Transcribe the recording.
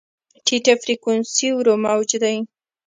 ټیټه فریکونسي ورو موج دی.